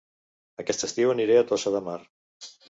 Aquest estiu aniré a Tossa de Mar